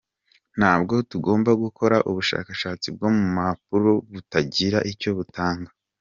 Ntabwo tugomba gukora ubushakashatsi bwo mu mpapuro butagira icyo butanga.